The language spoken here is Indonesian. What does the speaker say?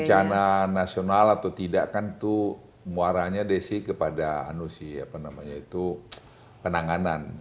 bencana nasional atau tidak kan itu muaranya desi kepada penanganan